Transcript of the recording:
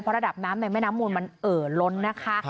ระดับน้ำในแม่น้ำมูลมันเอ่อล้นนะคะ